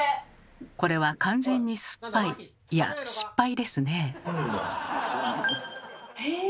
これは完全に酸っぱいいや「失敗」ですね。